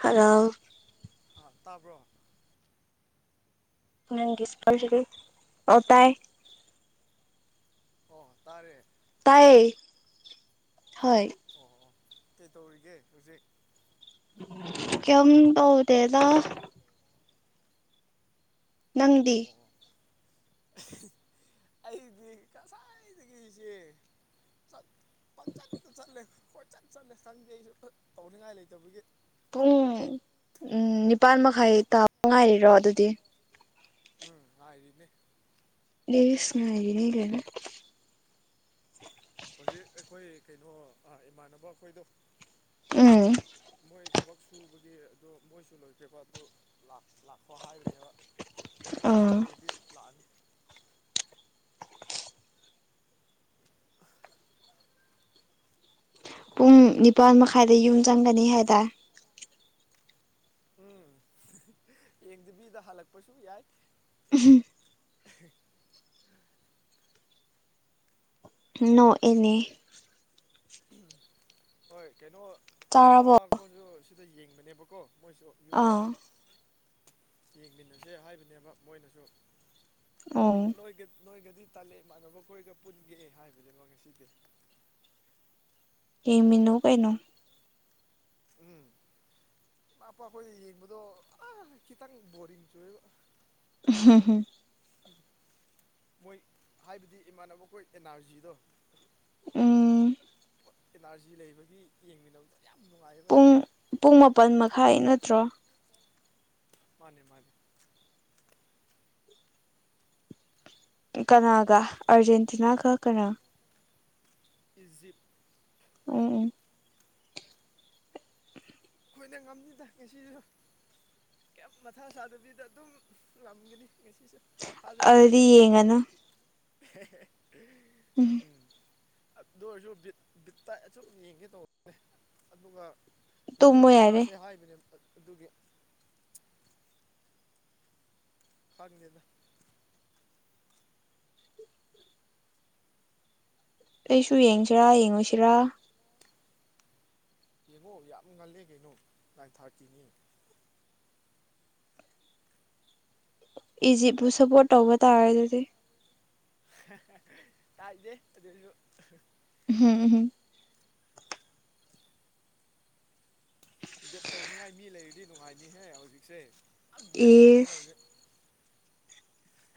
ꯍꯥꯂꯧ ꯑꯥ ꯇꯥꯕ꯭ꯔꯣ? ꯅꯪꯒꯤ ꯁ꯭ꯄꯤꯀꯔꯁꯤꯗꯤ ꯑꯣ ꯇꯥꯥꯏ ꯑꯣ ꯇꯥꯔꯦ ꯇꯥꯏꯌꯦ ꯍꯣꯏ ꯑꯣ ꯑꯣ ꯀꯩꯇꯧꯔꯤꯒꯦ ꯍꯧꯖꯤꯛ? [unintelligible] ꯀ꯭ꯌꯝ ꯇꯧꯗꯦꯗ ꯅꯪꯗꯤ? ꯑꯣ ꯑꯣ [unintelligible] ꯑꯩꯗꯤ ꯉꯁꯥꯏꯗꯒꯤꯁꯦ ꯆꯠ ꯄꯡꯆꯠꯇ ꯆꯠꯂꯦ ꯀꯣꯏꯆꯠ ꯆꯠꯂꯦ ꯆꯪꯗꯦ ꯑꯩꯁꯨ [unintelligible] ꯇꯧꯅꯤꯉꯥꯏ ꯂꯩꯇꯕꯒꯤ ꯄꯨꯡ ꯎꯝ ꯅꯤꯄꯟ ꯃꯈꯥꯏ ꯇꯥꯕ ꯉꯥꯏꯔꯤꯔꯣ ꯑꯗꯨꯗꯤ? ꯎꯝ ꯉꯥꯏꯔꯤꯕꯅꯦ ꯏꯁ ꯉꯥꯏꯔꯤꯅꯤ ꯀꯥꯏꯅ ꯍꯧꯖꯤꯛ ꯑꯩꯈꯣꯏ ꯀꯩꯅꯣ ꯏꯃꯥꯟꯅꯕ ꯈꯣꯏꯗꯣ ꯎꯝ ꯃꯣꯏ ꯊꯕꯛ ꯁꯨꯕꯒꯤ ꯑꯗꯣ ꯃꯣꯏꯁꯨ ꯂꯣꯏꯈ꯭ꯔꯦꯕ ꯑꯗꯨ ꯂꯥꯛ ꯂꯥꯛꯄꯥ ꯍꯥꯏꯕꯅꯦꯕ ꯉꯥꯏꯍꯥꯛ ꯑꯥ ꯂꯩꯔꯗꯤ ꯂꯥꯛꯑꯅꯤ [inaudible] ꯎꯝ ꯅꯤꯄꯥꯜ ꯃꯈꯥꯏꯗ ꯌꯨꯝ ꯆꯪꯒꯅꯤ ꯍꯥꯏꯗꯥꯏ ꯎꯝ ꯌꯦꯡꯗꯕꯤꯗ ꯍꯜꯂꯛꯄꯁꯨ ꯌꯥꯏ ꯅꯣꯛꯑꯦꯅꯦ ꯍꯣꯏ ꯀꯩꯅꯣ ꯆꯥꯔꯕꯣ ꯏꯃꯥꯄꯥ ꯈꯣꯏꯁꯨ ꯁꯤꯗ ꯌꯦꯡꯕꯅꯦꯕꯀꯣ ꯃꯣꯏꯁꯨ ꯌꯨꯝꯗ ꯑꯥ ꯌꯦꯡꯃꯤꯟꯅꯁꯦ ꯍꯥꯏꯕꯅꯦꯕ ꯃꯣꯏꯅꯁꯨ ꯑꯣ ꯑꯩꯅ ꯅꯣꯏꯒ ꯅꯣꯏꯒꯗꯤ ꯇꯜꯂꯦ ꯏꯃꯥꯟꯅꯕ ꯈꯈꯣꯏꯒ ꯄꯨꯟꯒꯦ ꯍꯥꯏꯕꯅꯦꯕ ꯉꯁꯤꯗꯤ ꯌꯦꯡꯃꯤꯟꯅꯧ ꯀꯩꯅꯣ ꯎꯝ ꯏꯃꯥꯄꯥꯈꯣꯏ ꯌꯦꯡꯕꯗꯣ ꯑ ꯈꯤꯇꯪ ꯕꯣꯔꯤꯡ ꯆꯨꯑꯦꯕ [inaudible] [unintelligible] ꯃꯣꯏ ꯍꯥꯏꯕꯗꯤ ꯏꯃꯥꯟꯅꯕꯈꯣꯏ ꯑꯦꯅꯥꯔꯖꯤꯗꯣ ꯎꯝ ꯑꯦꯅꯔꯖꯤ ꯂꯩꯕꯒꯤ ꯌꯦꯡꯃꯤꯟꯅꯕꯗꯣ ꯌꯥꯝ ꯅꯨꯡꯉꯥꯏꯌꯦꯕ ꯄꯨꯡ ꯑꯩꯩꯗꯤ ꯄꯨꯡ ꯃꯥꯄꯜ ꯃꯈꯥꯏ ꯅꯠꯇ꯭ꯔꯣ ꯃꯥꯅꯦ ꯃꯥꯅꯦ ꯀꯅꯥꯒ ꯑꯥꯔꯖꯦꯟꯇꯤꯅꯥꯒ ꯀꯅꯥ ꯏꯖꯤꯞ ꯎꯝ ꯎꯝ ꯑꯩꯈꯣꯏꯅ ꯉꯝꯅꯤꯗꯥ ꯉꯁꯤꯁꯨ ꯀꯌꯩꯝ ꯃꯊꯥ ꯁꯥꯗꯕꯤꯗ ꯑꯗꯨꯝ ꯉꯝꯒꯅꯤ ꯉꯁꯤꯁꯨ ꯊꯥꯖꯕ ꯂꯩ ꯑꯗꯨꯗꯤ ꯌꯦꯡꯉꯅꯨ [unintelligible] ꯎꯝ ꯎꯝ ꯑꯗꯨ ꯑꯣꯏꯔꯁꯨ ꯕꯤꯠ ꯕꯤꯠꯇꯥ ꯑꯁꯨꯝ ꯌꯦꯡꯒꯦ ꯇꯧꯕꯅꯦ ꯑꯗꯨꯒ ꯇꯨꯝꯃꯣ ꯉꯥꯅꯨꯁꯨ ꯌꯥꯔꯦ ꯆꯥꯁꯦ ꯍꯥꯏꯕꯅꯦ ꯑꯗꯨꯒꯤ ꯈꯪꯗꯦꯗꯥ ꯑꯩꯁꯨ ꯌꯦꯡꯁꯤꯔꯥ ꯌꯦꯡꯉꯣꯏꯁꯤꯔꯥ ꯌꯦꯡꯉꯣ ꯌꯥꯝ ꯉꯜꯂꯦ ꯀꯩꯅꯣ ꯅꯥꯏꯟ ꯊꯥꯔꯇꯤꯅꯤ ꯏꯖꯤꯞꯄꯨ ꯁꯞꯄꯣꯔꯠ ꯇꯧꯕ ꯇꯥꯔꯦ ꯑꯗꯨꯗꯤ [unintelligible] ꯀꯥꯏꯗꯦ ꯑꯗꯨꯁꯨ [unintelligible] ꯕꯦꯠ ꯇꯧꯅꯤꯡꯉꯥꯏ ꯃꯤ ꯂꯩꯔꯗꯤ ꯅꯨꯡꯉꯥꯏꯅꯤꯍꯦ ꯍꯧꯖꯤꯛꯁꯦ ꯌꯥꯝ ꯕꯦꯠ ꯇꯧꯅꯤꯉꯦ ꯏꯁ ꯍꯧꯖꯤꯛ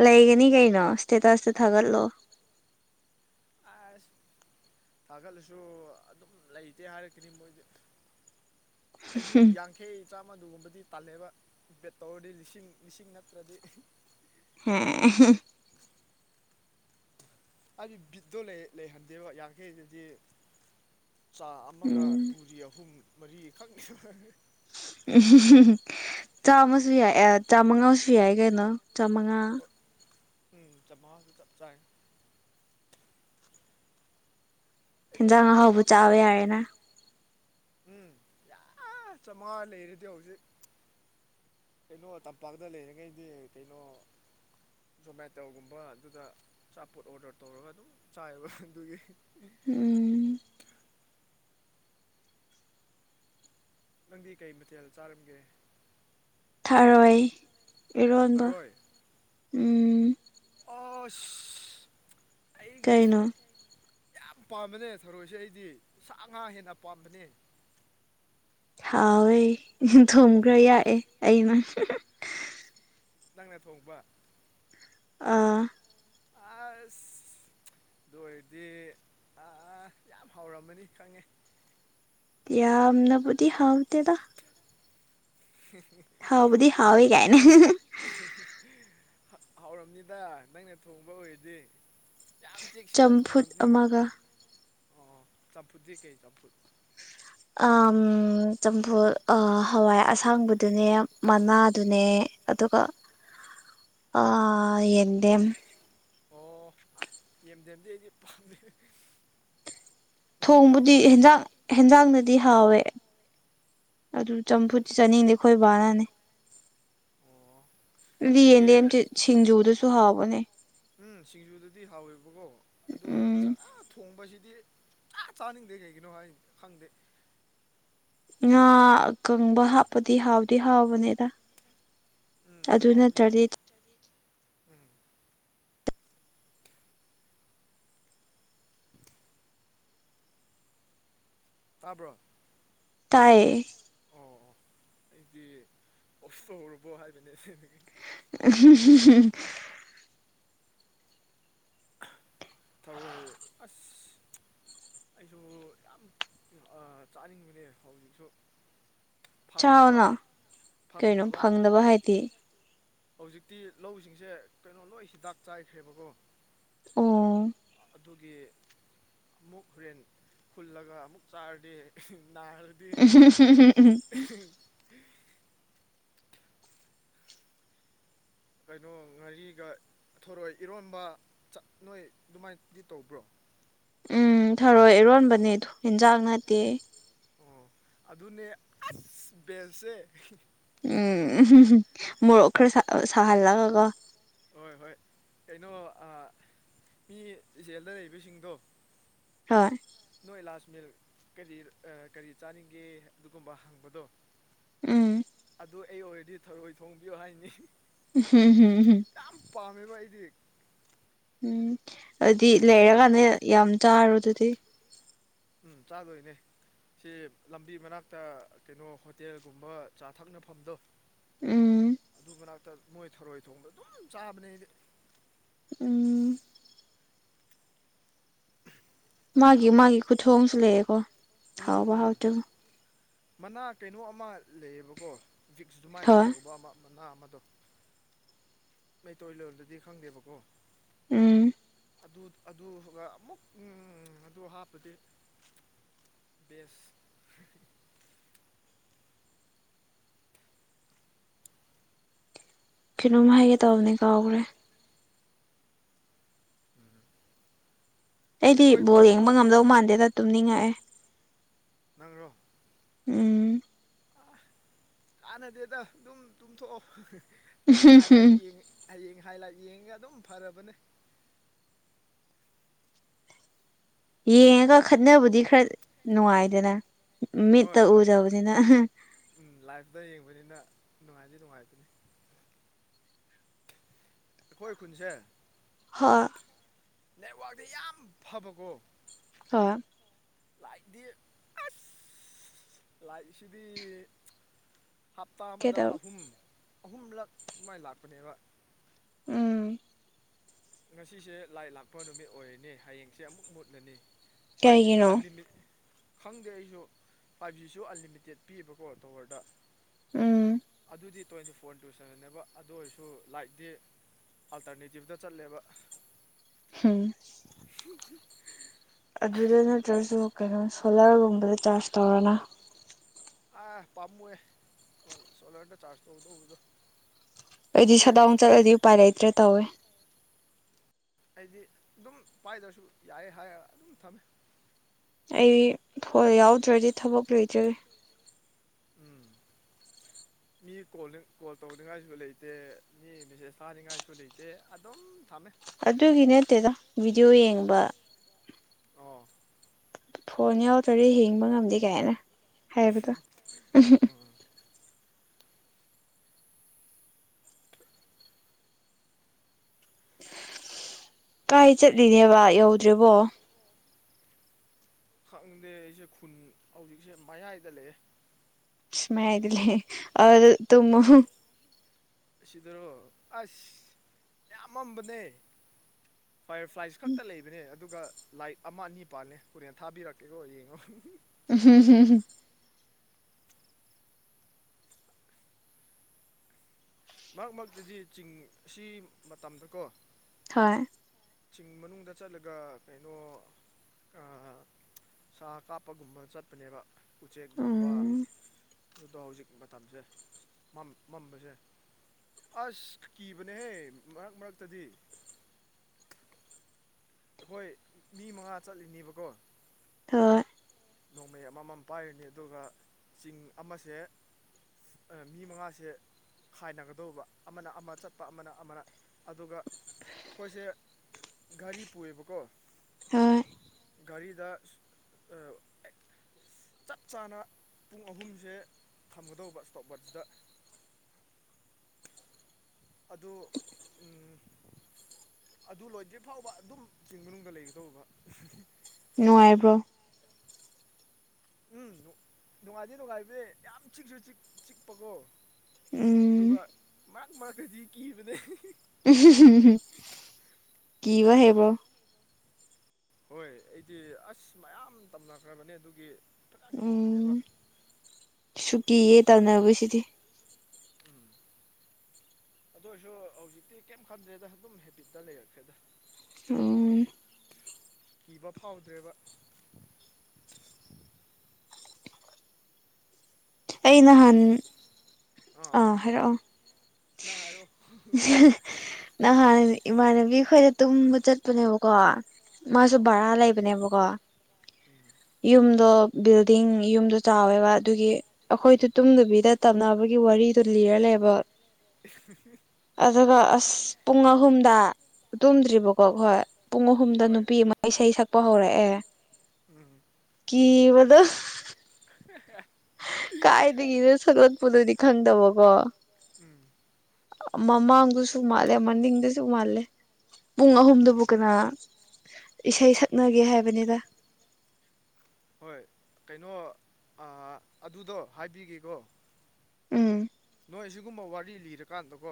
ꯂꯩꯒꯅꯤ ꯀꯩꯅꯣ ꯁ꯭ꯇꯦꯇꯁꯇ ꯊꯥꯒꯠꯂꯣ ꯑꯁ ꯊꯥꯒꯠꯂꯁꯨ ꯑꯗꯨꯝ ꯂꯩꯇꯦ ꯍꯥꯏꯔꯛꯀꯅꯤ ꯃꯣꯏꯗꯤ ꯑꯩꯗꯤ ꯌꯥꯡ ꯈꯩ ꯆꯥꯝꯃꯗꯨꯒꯨꯝꯕꯗꯤ ꯇꯜꯂꯦꯕ ꯄꯦꯠ ꯇꯧꯔꯗꯤ ꯂꯤꯁꯤꯡ ꯂꯤꯁꯤꯡ ꯅꯠꯇ꯭ꯔꯗꯤ [unintelligible] ꯍꯥꯏꯗꯤ ꯕꯤꯠꯇꯣ ꯂꯩ ꯂꯩꯍꯟꯗꯦꯕ ꯌꯥꯡꯈꯩꯗꯨꯗꯤ ꯆꯥ ꯑꯃꯒ ꯄꯨꯔꯤ ꯑꯍꯨꯝ ꯃꯔꯤꯈꯛꯅꯤ [unintelligible] ꯆꯥꯝꯃꯁꯨ ꯌꯥꯏ ꯆꯥꯃꯉꯥꯁꯨ ꯌꯥꯏ ꯀꯩꯅꯣ ꯆꯥꯝꯃꯉꯥ ꯎꯝ ꯆꯥ ꯃꯉꯥ ꯆꯞ ꯆꯥꯏ ꯑꯩꯈꯣꯏꯅ ꯍꯦꯟꯖꯥꯡ ꯈꯟꯕ ꯑꯍꯥꯎꯕ ꯑꯃ ꯆꯥꯕ ꯌꯥꯔꯦꯅ ꯎꯝ ꯌꯥ ꯆꯝꯃꯉꯥ ꯂꯩꯔꯗꯤ ꯍꯧꯖꯤꯛ ꯀꯩꯅꯣ ꯇꯝꯄꯥꯛꯇ ꯂꯩꯔꯤꯉꯩꯗꯤ ꯀꯩꯅꯣ ꯖꯣꯃꯦꯇꯣꯒꯨꯝꯕ ꯑꯗꯨꯗ ꯑꯆꯥꯄꯣꯠ ꯑꯣꯔꯗꯔ ꯇꯧꯔꯒ ꯑꯗꯨꯝ ꯆꯥꯏꯑꯦꯕ ꯑꯗꯨꯒꯤ ꯎꯝ ꯅꯪꯗꯤ ꯀꯩ ꯃꯊꯦꯜ ꯆꯥꯔꯝꯒꯦ꯫ ꯊꯥꯔꯣꯏ ꯏꯔꯣꯟꯕ ꯊꯔꯣꯏ ꯎꯝ ꯑꯣ ꯑꯩ ꯒꯤꯐ ꯀꯩꯅꯣ ꯌꯥꯝ ꯄꯥꯝꯕꯅꯦ ꯊꯔꯣꯏꯁꯦ ꯑꯩꯗꯤ ꯁꯥ ꯉꯥ ꯍꯦꯟꯅ ꯄꯥꯝꯕꯅꯦ꯫ ꯊꯥꯎꯋꯦ ꯊꯨꯝꯈ꯭ꯔ ꯎꯝ ꯌꯥꯛꯑꯦ ꯑꯩꯅ ꯅꯪꯅ ꯊꯣꯡꯕ ꯑꯥ ꯑꯁ ꯑꯗꯨ ꯑꯣꯏꯔꯗꯤ ꯑ ꯌꯥꯝ ꯍꯥꯎꯔꯝꯃꯅꯤ ꯈꯪꯉꯦ꯫ ꯌꯥꯝꯅꯕꯨꯗꯤ ꯍꯥꯎ ꯇꯗꯥ [unintelligible] ꯍꯥꯎꯕꯨꯙꯗꯤ ꯍꯥꯎꯋꯦ ꯀꯥꯏꯅꯦ꯫ ꯍꯥꯎꯔꯝꯅꯤꯗ ꯅꯪꯅ ꯊꯣꯡꯕ ꯑꯣꯏꯔꯗꯤ ꯌꯥꯝ ꯎꯆꯦꯛꯁꯤꯅ ꯊꯣꯡ ꯆꯝꯐꯨꯠ ꯂꯝꯗꯤꯒꯤ ꯑꯃꯒ ꯑꯣ ꯆꯝꯐꯨꯠꯗꯤ ꯀꯩ ꯆꯝꯐꯨꯠ ꯆꯝꯐꯨꯜ ꯍꯋꯥꯏ ꯑꯁꯥꯡꯕꯗꯨꯅꯦ ꯃꯅꯥꯗꯨꯅꯦ꯫ ꯑꯗꯨꯒ [inaudible] ꯌꯦꯗꯦꯝ ꯑꯣ ꯌꯥꯝꯦꯝꯗꯦꯝꯗꯤ ꯑꯩꯗꯤ ꯄꯥꯝꯗꯦ꯫ ꯅꯪꯗꯤ ꯊꯣꯡꯕꯨꯗꯤ ꯄꯥꯝꯕ꯭ꯔꯣ ꯌꯥꯝ ꯍꯟꯖꯥꯡ ꯍꯦꯟꯖꯥꯡꯅꯗꯤ ꯍꯥꯎꯋꯦ ꯑꯗꯨ ꯆꯝꯐꯨꯠꯇ ꯆꯥꯅꯤꯡꯗꯦ ꯑꯩꯈꯣꯏ ꯕꯥꯅꯅꯤ꯫ ꯑꯣ ꯑꯩꯗꯤ ꯂꯟꯗꯦ ꯁꯤꯡꯖꯨꯗꯁꯨ ꯍꯥꯎꯕꯅꯦ꯫ ꯍꯥꯎꯕꯅꯦ ꯎꯝ ꯁꯤꯡꯖꯨꯗꯗꯤ ꯍꯥꯎꯋꯦꯕꯀꯣ ꯑꯗꯨꯗꯣ ꯎꯝ ꯆꯔꯥ ꯊꯣꯡꯕꯁꯤꯗꯤ꯫ ꯇꯥ ꯆꯥꯅꯤꯡꯗꯦ ꯀꯩꯒꯤꯅꯣ ꯍꯥꯏ ꯈꯪꯗꯦ꯫ ꯉꯥ ꯀꯪꯕ ꯍꯥꯞꯄꯗꯤ ꯍꯥꯎꯗꯤ ꯍꯥꯎꯕꯅꯤꯗ ꯎꯝ ꯑꯗꯨ ꯍꯥꯎꯔꯁꯨ ꯅꯠꯇ꯭ꯔꯗꯤ ꯎꯝ ꯇꯥꯕ꯭ꯔꯣ ꯇꯥꯏꯌꯦ꯫ ꯑꯣ ꯑꯣ ꯑꯩꯗꯤ ꯀꯣꯁꯇ ꯑꯣꯏꯔꯕꯣ ꯍꯥꯏꯕꯅꯦ ꯁꯤꯦ ꯅ [inaudible] ꯊꯧꯔꯑꯣꯏ ꯑꯁ ꯑꯩꯁꯨ ꯌꯥꯝ ꯆꯥꯅꯤꯡꯕꯅꯦ ꯍꯧꯖꯤꯛꯁꯨ ꯐꯪꯗꯕ ꯆꯥꯎꯅ ꯀꯩꯅꯣ ꯐꯪꯗꯕ꯫ ꯍꯥꯏꯗꯤ ꯍꯧꯖꯤꯛꯇꯤ ꯂꯧꯁꯤꯡꯁꯦ ꯀꯩꯅꯣ ꯂꯣꯏ ꯍꯤꯗꯥꯛ ꯆꯥꯏꯈ꯭ꯔꯦꯕꯀꯣ ꯑꯣ ꯑꯗꯨꯒꯤ ꯑꯃꯨꯛ ꯍꯣꯔꯦꯟ ꯐꯨꯜꯂꯒ ꯑꯃꯨꯛ ꯆꯥꯔꯗꯤ ꯅꯥꯈ꯭ꯔ [inaudible] ꯀꯩꯅꯣ ꯉꯥꯔꯤꯒ ꯊꯣꯔꯣꯏ ꯏꯔꯣꯟꯝꯕ ꯆꯠꯅꯣꯏ ꯑꯗꯨꯃꯥꯏꯅꯗꯤ ꯇꯧꯕ꯭ꯔꯣ ꯎꯝ ꯊꯔꯣꯏ ꯏꯔꯣꯟꯕꯅꯦꯗ ꯍꯤꯟꯖꯥꯛ ꯅꯠꯇꯦ꯫ ꯑꯣ ꯑꯗꯨꯅꯦ ꯑꯁ ꯕꯦꯁꯁꯦ꯫ ꯎꯝ ꯃꯣꯔꯣꯛ ꯈꯔ ꯁꯍꯜꯂꯒꯀꯣ ꯍꯣꯏ ꯍꯣꯏ ꯀꯩꯅꯣ ꯃꯤ ꯏꯆꯦꯜꯗ ꯂꯩꯕꯁꯤꯡꯗꯣ ꯍꯣꯏ ꯅꯣꯏ ꯏꯂꯥꯖ ꯃꯤꯜ ꯀꯔꯤ ꯀꯔꯤ ꯆꯥꯅꯤꯡꯒꯦ ꯑꯗꯨꯒꯨꯝꯕ ꯍꯪꯕꯗꯣ ꯎꯝ ꯑꯗꯨ ꯑꯩ ꯑꯣꯏꯔꯗꯤ ꯊꯔꯣꯏ ꯊꯣꯡꯕꯤꯌꯣ ꯍꯥꯏꯅꯤ꯫ ꯍꯝ ꯍꯝꯝ ꯌꯥꯝ ꯄꯥꯝꯃꯦꯕ ꯑꯩꯗꯤ꯫ ꯎꯝ ꯑꯗꯨꯗꯤ ꯂꯩꯔꯀꯥꯟꯗ ꯌꯥꯝ ꯆꯥꯔꯣ ꯑꯗꯨꯗꯤ ꯎꯝ ꯆꯥꯗꯣꯏꯅꯦ꯫ ꯁꯤ ꯂꯝꯕꯤ ꯃꯅꯥꯛꯇ ꯀꯩꯅꯣ ꯍꯣꯇꯦꯜꯒꯨꯝꯕ ꯆꯥ ꯊꯛꯅꯐꯝꯗꯣ ꯎꯝ ꯑꯗꯨ ꯃꯅꯥꯛꯇ ꯃꯣꯏ ꯊꯔꯣꯏ ꯊꯣꯡꯕ ꯑꯗꯨꯝ ꯆꯥꯕꯅꯦ ꯎꯝ ꯑꯩꯗꯤ ꯃꯥꯒꯤ ꯌꯥꯝ ꯊ ꯃꯥꯒꯤ ꯈꯨꯊꯣꯡꯁꯨ ꯂꯩꯦꯀꯣ ꯎꯝ ꯍꯥꯎꯕ ꯎꯝ ꯍꯥꯎꯇꯕ ꯃꯅꯥ ꯀꯩꯅꯣ ꯑꯃ ꯂꯩꯌꯦꯕꯀꯣ ꯕꯤꯛꯁ ꯑꯗꯨꯃꯥꯏꯅ ꯍꯣꯏ ꯇꯧꯕ ꯑꯃ ꯃꯅꯥ ꯑꯃꯗꯣ ꯃꯩꯇꯩ ꯂꯣꯟꯗꯗꯤ ꯈꯪꯗꯦꯕꯀꯣ ꯎꯝ ꯑꯗꯨꯒ ꯑꯃꯨꯛ ꯑꯗꯨ ꯍꯥꯞꯄꯗꯤ ꯦꯁ ꯀꯩꯅꯣꯝ ꯍꯥꯏꯒꯦ ꯇꯧꯕꯅꯦ ꯀꯥꯎꯈ꯭ꯔꯦ ꯎꯝ ꯑꯩꯗꯤ ꯕꯣꯜ ꯌꯦꯡꯕ ꯉꯝꯗꯧ ꯃꯥꯟꯗꯦꯗ ꯇꯨꯝꯅꯤꯡꯉꯛꯑꯦ ꯅꯪꯔꯣ ꯎꯝ ꯑ ꯀꯥꯟꯅꯗꯦꯗ ꯑꯗꯨꯝ ꯇꯨꯝꯊꯣꯛꯑꯣ ꯍꯌꯦꯡ ꯍꯥꯏ ꯂꯥꯏꯁꯨ ꯌꯦꯡꯉꯤ ꯍꯌꯦꯡ ꯍꯥꯏ ꯂ ꯌꯦꯡꯉꯒ ꯑꯗꯨꯝ ꯐꯔꯕꯅꯦ ꯌꯦꯡꯉꯒ ꯈꯠꯕꯨꯗꯤ ꯈꯔ ꯅꯨꯡꯉꯥꯏꯗꯅ ꯍꯣꯏ ꯃꯤꯠꯇ ꯍꯣꯏ ꯎꯖꯕꯅꯤꯅ ꯎꯝ ꯂꯥꯏꯐꯇ ꯌꯦꯡꯕꯅꯤꯅ ꯅꯨꯡꯉꯥꯏꯗꯤ ꯅꯨꯡꯉꯥꯏꯇꯅꯤ ꯑꯩꯈꯣꯏ ꯈꯨꯟꯁꯦ ꯍꯣꯏ ꯅꯦꯠꯋꯥꯛꯇ ꯌꯥꯝ ꯐꯕꯀꯣ ꯑ ꯂꯥꯏꯗꯤ ꯑꯁ ꯂꯥꯏꯁꯤꯗꯤ ꯍꯞꯇꯥ ꯑꯃꯗ ꯀꯩꯗꯧ ꯑꯍꯨꯝ ꯑꯍꯨꯝꯂꯛ ꯑꯗꯨꯃꯥꯏꯅ ꯂꯥꯛꯄꯅꯦꯕ ꯎꯝ ꯉꯁꯤꯁꯦ ꯂꯥꯏ ꯂꯥꯛꯄ ꯅꯨꯃꯤꯠ ꯑꯣꯏꯔꯤꯅꯤ ꯍꯌꯦꯡꯁꯦ ꯑꯃꯨꯛ ꯃꯨꯠꯂꯅꯤ ꯐꯥꯏꯖꯤꯁꯨ ꯀꯩꯒꯤꯅꯣ ꯑꯟꯂꯤꯃꯤꯠ ꯈꯪꯗꯦ ꯑꯩꯁꯨ ꯐꯥꯏꯚ ꯖꯤꯁꯨ ꯑꯟꯂꯤꯃꯤꯇꯦꯠ ꯄꯤꯌꯦꯕꯀꯣ ꯇꯋꯔꯗ ꯎꯝ ꯑꯗꯨꯗꯤ ꯇ꯭ꯋꯦꯟꯇꯤ ꯐꯣꯔ ꯇꯨ ꯁꯕꯟꯅꯦꯕ ꯑꯗꯨ ꯑꯣꯏꯔꯁꯨ ꯂꯥꯏꯤ ꯑꯜꯇꯔꯅꯦꯇꯤꯞꯇ ꯆꯠꯂꯦꯕ ꯎꯝ [inaudible] ꯑꯗꯨꯗ ꯅꯠꯇ꯭ꯔꯁꯨ ꯀꯩꯅꯣ ꯁꯣꯂꯥꯔꯒꯨꯝꯕꯗ ꯆꯥꯔꯖ ꯇꯧꯔꯅ ꯑ ꯄꯥꯝꯃꯨꯍꯦ ꯁꯣꯂꯣꯟꯇ ꯆꯥꯔꯖ ꯇꯧꯗꯣꯧꯕꯗꯣ ꯑꯩꯗꯤ ꯁꯗꯥꯎ ꯆꯠꯂꯗꯤ ꯎꯄꯥꯏ ꯂꯩꯇ꯭ꯔꯦ ꯇꯧꯋꯦ ꯑꯩꯗꯤ ꯑꯗꯨꯝ ꯄꯥꯏꯗ꯭ꯔꯁꯨ ꯌꯥꯏ ꯍꯥꯏꯔꯒ ꯑꯗꯨꯝ ꯊꯝꯃꯦ ꯑꯩ ꯌꯥꯎꯗ꯭ꯔꯗꯤ ꯊꯕꯛ ꯂꯩꯣꯏꯖꯔꯤ ꯎꯝ ꯃꯤ ꯀꯣꯜ ꯀꯣꯜ ꯇꯧꯅꯤꯡꯉꯥꯏꯁꯨ ꯂꯩꯇꯦ ꯃꯤ ꯃꯦꯁꯦꯁ ꯊꯥꯅꯤꯡꯉꯥꯏꯁꯨ ꯂꯩꯇꯦ ꯑꯗꯨꯝ ꯁꯝꯅꯩ ꯑꯗꯨꯒꯤ ꯅꯠꯇꯦꯗ ꯚꯤꯗꯤꯑꯣ ꯌꯦꯡꯕ ꯑꯣꯥ ꯐꯣꯟ ꯌꯥꯎꯗꯔꯦ ꯍꯤꯡꯕ ꯉꯝꯗꯦ ꯀꯥꯏꯅ ꯍꯥꯏꯕꯗꯣ ꯎꯝ ꯎꯝ ꯀꯥꯏ ꯆꯠꯂꯤꯅꯦꯕ ꯌꯧꯗ꯭ꯔꯦꯕꯣ ꯈꯪꯗꯦ ꯑꯩꯁꯦ ꯈꯨꯟ ꯍꯧꯖꯤꯛꯁꯦ ꯃꯌꯥꯏꯗ ꯂꯩꯑꯦ ꯀꯃꯥꯏ ꯍꯥꯏꯗꯂ ꯇꯃ ꯑꯁꯤꯗꯔꯣ ꯑꯁ ꯌꯥꯝꯃꯝꯕꯅꯦ ꯐꯌꯔ ꯐ꯭ꯂꯥꯏꯁ ꯈꯛꯇ ꯂꯩꯕꯅꯦ ꯑꯗꯨꯒ ꯂꯥꯏꯠ ꯑꯃ ꯑꯅꯤ ꯄꯥꯜꯂꯦ ꯍꯣꯔꯦꯟ ꯊꯥꯕꯤꯔꯛꯀꯦꯀꯣ ꯌꯦꯡꯉꯣ ꯎꯝ ꯍꯝ ꯃꯔꯛ ꯃꯔꯛꯇꯗꯤ ꯆꯤꯡ ꯑꯁꯤ ꯃꯇꯝꯗ ꯀꯣ ꯍꯣꯏ ꯆꯤꯡ ꯃꯅꯨꯡꯗ ꯆꯠꯂꯒ ꯀꯩꯅꯣ ꯑꯥ ꯁꯥ ꯀꯥꯞꯄꯒꯨꯝꯕ ꯆꯠꯄꯅꯦꯕ ꯎꯆꯦꯛꯒꯨꯝꯕ ꯎꯝ ꯑꯗꯨꯗꯣ ꯍꯧꯖꯤꯛ ꯃꯇꯝꯁꯦ ꯃꯝ ꯃꯝꯕꯁꯦ ꯑꯁ ꯀꯤꯕꯅꯦꯍꯦ ꯃꯔꯛ ꯃꯔꯛꯇꯗꯤ ꯑꯩꯈꯣꯏ ꯃꯤ ꯃꯉꯥ ꯆꯠꯂꯤꯅꯦꯕꯀꯣ ꯊꯣꯏ ꯅꯣꯡꯃꯩ ꯑꯃꯃꯝ ꯄꯥꯏꯔꯅꯤ ꯑꯗꯨꯒ ꯆꯤꯡ ꯑꯃꯁꯦ ꯑ ꯃꯤ ꯃꯉꯥꯁꯦ ꯈꯥꯏꯅꯒꯗꯧꯕ ꯑꯃꯅ ꯑꯃ ꯆꯠꯄ ꯑꯃꯅ ꯑꯃꯔꯛ ꯑꯗꯨꯒ ꯑꯩꯈꯣꯏꯁꯦ ꯒꯥꯔꯤ ꯄꯨꯑꯦꯕꯀꯣ ꯍꯣꯏ ꯒꯥꯔꯤꯗ ꯑ ꯆꯞ ꯆꯥꯅ ꯄꯨꯡ ꯑꯍꯨꯝꯁꯦ ꯊꯝꯒꯗꯧꯕ ꯏꯁꯇꯣꯞ ꯋꯠꯁꯗ ꯑꯗꯨ ꯎꯝ ꯑꯗꯨ ꯂꯣꯏꯗ꯭ꯔꯤꯐꯥꯎꯕ ꯑꯗꯨꯝ ꯆꯤꯡ ꯃꯅꯨꯡꯗ ꯂꯩꯒꯗꯧꯕ ꯅꯨꯡꯉꯥꯏꯕ꯭ꯔꯣ ꯎꯝ ꯅꯨꯡꯉꯥꯏꯗꯤ ꯅꯨꯡꯉꯥꯏꯕꯅꯦ ꯌꯥꯝ ꯆꯤꯛꯁꯨ ꯆꯤꯛ ꯆꯤꯛꯄꯀꯣ ꯎꯝ ꯑꯗꯨꯒ ꯃꯔꯛ ꯃꯔꯛꯇꯗꯤ ꯀꯤꯕꯅꯦ ꯀꯤꯕ ꯍꯩꯕ꯭ꯔꯣ ꯍꯣꯏ ꯑꯩꯗꯤ ꯑꯁ ꯃꯌꯥꯝ ꯇꯝꯅꯈ꯭ꯔꯕꯅꯦ ꯑꯗꯨꯒꯤ ꯐꯖ ꯀꯤꯕꯅꯦꯕ ꯎꯝ ꯁꯨꯀꯤꯌꯦ ꯇꯧꯅꯕꯁꯤꯗꯤ ꯎꯝ ꯑꯗꯨ ꯑꯣꯏꯔꯁꯨ ꯍꯧꯖꯤꯛꯇꯤ ꯀꯩꯝ ꯈꯟꯗ꯭ꯔꯦꯗ ꯑꯗꯨꯝ ꯍꯦꯕꯤꯠꯇ ꯂꯩꯔꯛꯈ꯭ꯔꯦꯗ ꯑꯣ ꯀꯤꯕ ꯐꯥꯎꯗ꯭ꯔꯦꯕ ꯑꯩ ꯅꯍꯥꯟ ꯍꯧꯖꯤꯛ ꯑꯥ ꯍꯥꯏꯔꯛꯑꯣ ꯅꯪ ꯍꯥꯏꯔꯣ ꯅꯍꯥꯟ ꯏꯃꯥꯟꯅꯕꯤ ꯈꯣꯏꯗ ꯇꯨꯝꯕ ꯆꯠꯄꯅꯦꯕꯀꯣ ꯃꯥꯁꯨ ꯍꯣꯏ ꯍꯣꯏ ꯚꯔꯥ ꯂꯩꯕꯅꯦꯕꯀꯣ ꯎꯝ ꯌꯨꯝꯗꯣ ꯕꯤꯜꯗꯤꯡ ꯌꯨꯝꯗꯣ ꯆꯥꯎꯋꯦꯕ ꯑꯗꯨꯒꯤ ꯑꯩꯈꯣꯏꯗꯨ ꯇꯨꯝꯗꯕꯤꯗ ꯇꯝꯅꯕꯒꯤ ꯋꯥꯔꯤꯗꯣ ꯂꯤꯔ ꯂꯩꯕ [inaudible] ꯑꯗꯨꯒ ꯑꯁ ꯄꯨꯡ ꯑꯍꯨꯝꯗ ꯇꯨꯝꯗ꯭ꯔꯤꯕꯀꯣ ꯑꯈꯣꯏ ꯄꯨꯡ ꯑꯍꯨꯝꯗ ꯍꯣꯏ ꯅꯨꯄꯤ ꯑꯃ ꯏꯁꯩ ꯁꯛꯄ ꯍꯧꯔꯛꯑꯦ ꯎꯝ ꯀꯤꯕꯗꫭ [unintelligible] ꯑꯥꯏꯗꯒꯤꯅꯣ ꯁꯛꯂꯣꯠꯄꯗꯨꯗꯤ ꯈꯡꯗꯕꯀꯣ ꯎꯝ ꯃꯃꯥꯡꯗꯁꯨ ꯃꯥꯜꯂꯦ ꯃꯅꯤꯡꯗꯁꯨ ꯃꯥꯜꯂꯦ ꯄꯨꯡ ꯎꯝ ꯑꯍꯨꯝꯗꯕꯨ ꯀꯅꯥ ꯏꯁꯩ ꯁꯛꯅꯒꯦ ꯍꯥꯏꯕꯅꯤꯗ ꯍꯣꯏ ꯀꯩꯅꯣ ꯑꯥ ꯑꯗꯨꯗꯣ ꯍꯥꯏꯕꯤꯒꯦꯀꯣ ꯎꯝ ꯅꯣꯏ ꯁꯤꯒꯨꯝꯕ ꯋꯥꯔꯤ ꯂꯤꯔꯀꯥꯟꯗꯀꯣ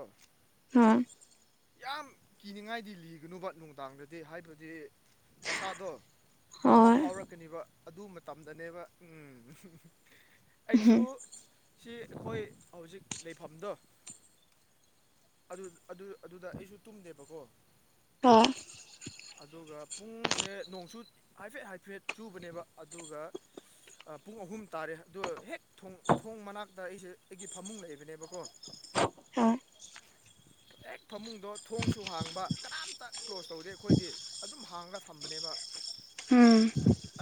ꯍꯥ ꯌꯥꯝ ꯀꯤꯅꯤꯡꯉꯥꯏꯗꯤ ꯂꯤꯒꯅꯨꯕ ꯅꯨꯡꯗꯥꯡꯗꯗꯤ ꯍꯥꯏꯕꯗꯤ ꯅꯁꯥꯗꯣ ꯑꯃ ꯍꯣꯏ ꯐꯥꯎꯔꯛꯀꯅꯤꯕ ꯑꯗꯨ ꯃꯇꯝꯗꯅꯦꯕ ꯎꯝ ꯑꯩꯁꯨ ꯎꯝ ꯁꯤ ꯑꯩꯈꯣꯏ ꯍꯧꯖꯤꯛ ꯂꯩꯐꯝꯗꯣ ꯑꯗꯨꯠ ꯑꯗꯨ ꯑꯗꯨꯗ ꯑꯩꯁꯨ ꯇꯨꯝꯗꯦꯕꯀꯣ ꯑꯥ ꯑꯗꯨꯒ ꯄꯨꯡꯁꯦ ꯅꯣꯡꯆꯨꯠ ꯍꯥꯏꯐꯦꯠ ꯍꯥꯏꯐꯦꯠ ꯆꯨꯕꯅꯦꯕ ꯑꯗꯨꯒ ꯑ ꯄꯨꯡ ꯑꯍꯨꯝ ꯇꯥꯔꯦ ꯑꯗꯨ ꯍꯦꯛ ꯊꯣꯡ ꯊꯣꯡ ꯃꯅꯥꯛꯇ ꯑꯩꯁꯦ ꯑꯩꯒꯤ ꯐꯃꯨꯡ ꯂꯩꯕꯅꯦꯕꯀꯣ ꯍꯣꯏ ꯍꯦꯛ ꯐꯃꯨꯡꯗꯣ ꯊꯣꯡꯁꯨ ꯍꯥꯡꯕ ꯀꯅꯥꯝꯇ ꯀ꯭ꯂꯣꯖ ꯇꯧꯗꯦ ꯑꯩꯈꯣꯏꯗꯤ ꯑꯗꯨꯝ ꯍꯥꯡꯔꯒ ꯊꯝꯕꯅꯦꯕ ꯎꯝ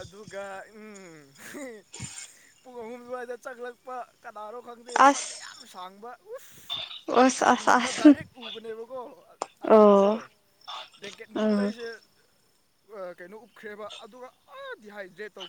ꯑꯗꯨꯒ ꯎꯝ [unintelligible] ꯄꯨꯡ ꯑꯍꯨꯝ ꯑꯗꯨꯋꯥꯏꯗ ꯆꯛꯂꯛꯄ ꯀꯅꯥꯅꯣ ꯈꯪꯗꯦ ꯑꯁ ꯃꯁꯝꯗꯤ ꯌꯥꯝ ꯁꯥꯡꯕ ꯎꯁ ꯑꯁ ꯃꯤꯈꯥ ꯑꯁ ꯃꯤꯠꯇ ꯥ ꯑꯁ ꯗꯥꯏꯔꯦꯛ ꯎ ꯎꯅꯦꯕꯀꯣ ꯑꯗꯨꯒ ꯀꯣ ꯑꯣ ꯕꯦꯡꯀꯦꯠ ꯃꯅꯨꯡꯗ ꯎꯝ ꯑꯩꯁꯦ ꯀꯩꯅꯣ ꯎꯞꯈ꯭ꯔꯦꯕ ꯑꯗꯨꯒ ꯑ ꯗꯤ ꯍꯥꯏꯗ꯭ꯔꯦꯠ ꯇꯧ